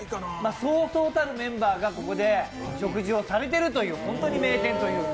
そうそうたるメンバーがここで食事をされているという、本当に名店。